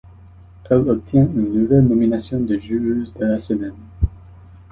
Elle obtient une nouvelle nomination de joueuse de la semaine.